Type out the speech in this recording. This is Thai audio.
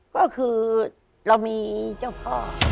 ก็คือเรามีเจ้าพ่อ